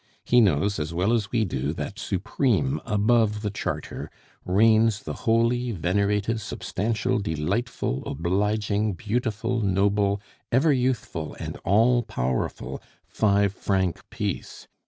He knows as well as we do that supreme above the Charter reigns the holy, venerated, substantial, delightful, obliging, beautiful, noble, ever youthful, and all powerful five franc piece!